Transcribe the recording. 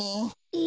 え？